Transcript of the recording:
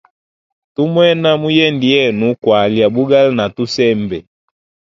Tu mwena muyende yenu kwalya bugali na tusembe.